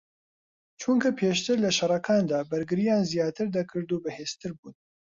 چونکە پێشتر لە شەڕەکاندا بەرگریان زیاتر دەکرد و بەهێزتر بوون